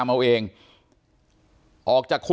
ขอบคุณมากครับขอบคุณมากครับ